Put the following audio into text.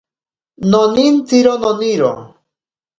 Nonintsiro noniro.